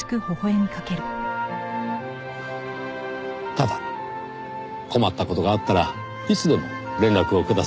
ただ困った事があったらいつでも連絡をください。